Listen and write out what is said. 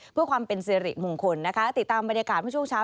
เพื่อความเป็นสิริมงคลนะคะติดตามบรรยากาศเมื่อช่วงเช้า